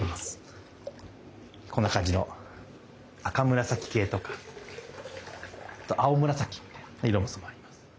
こんな感じの赤紫系とかあと青紫みたいな色も染まります。